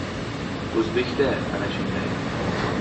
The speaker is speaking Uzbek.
O‘zbak-da ana shunday!